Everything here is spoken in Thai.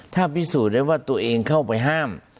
ถ้าพิสูจน์ได้ว่าตัวเองเข้าไปห้าม